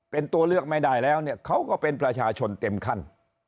เป็นตัวเลือกไม่ได้แล้วเนี่ยเขาก็เป็นประชาชนเต็มขั้น